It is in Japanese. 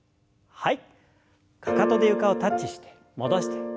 はい。